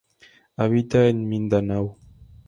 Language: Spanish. Habita en Mindanao.